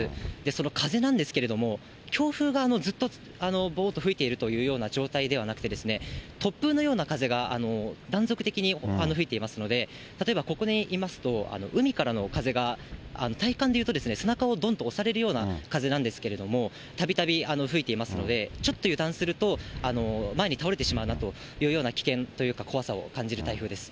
その風なんですけれども、強風がずっと、ごーっと吹いているというような状態ではなくてですね、突風のような風が断続的に吹いていますので、例えばここにいますと、海からの風が、体感で言うと、背中をどんと押されるような風なんですけども、たびたび吹いていますので、ちょっと油断すると、前に倒れてしまうなというような危険というか、怖さを感じる台風です。